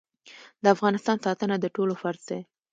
د افغانستان ساتنه د ټولو فرض دی